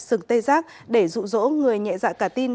sừng tê giác để dụ dỗ người nhẹ dạ cả tin